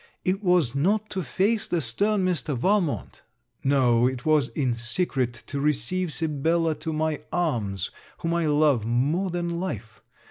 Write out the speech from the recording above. It was not to face the stern Mr. Valmont; no, it was in secret to receive Sibella to my arms, whom I love more than life.